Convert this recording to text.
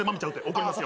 怒りますよ。